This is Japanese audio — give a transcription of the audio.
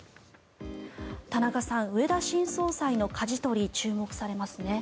田中さん、植田新総裁のかじ取り注目されますね。